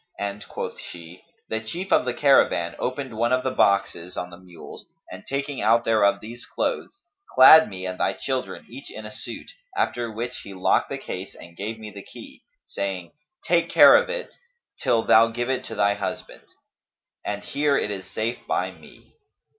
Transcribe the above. and quoth she, "The chief of the caravan opened one of the boxes on the mules and taking out thereof these clothes, clad me and thy children each in a suit; after which he locked the case and gave me the key, saying, 'Take care of it, till thou give it to thy husband.' And here it is safe by me."